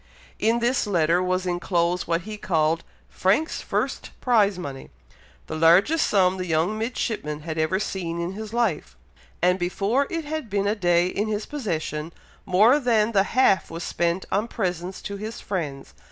In this letter was enclosed what he called "Frank's first prize money," the largest sum the young midshipman had ever seen in his life, and before it had been a day in his possession, more than the half was spent on presents to his friends.